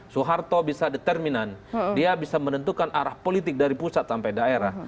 soeharto bisa determinan dia bisa menentukan arah politik dari pusat sampai daerah